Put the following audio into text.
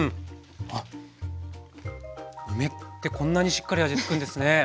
あっ梅ってこんなにしっかり味つくんですね。